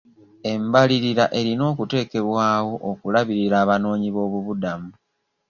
Embalirira erina okuteekebwawo okulabirira abanoonyiboobubudamu.